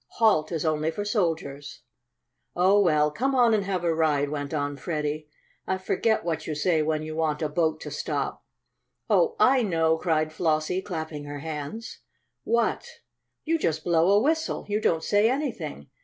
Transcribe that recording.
'Halt' is only for soldiers." "Oh, well, come on and have a ride," went on Freddie. "I forget what you say when you want a boat to stop." "Oh, I know!" cried Flossie, clapping her hands. "What?" "You just blow a whistle. You don't say anything.